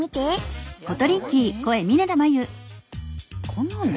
こんなの？